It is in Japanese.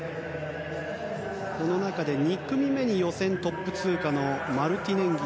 この中で２組目で予選トップ通過のマルティネンギ。